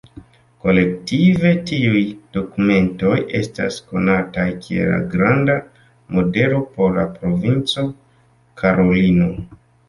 Kolektive, tiuj dokumentoj estas konataj kiel la Granda Modelo por la Provinco Karolino.